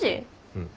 うん。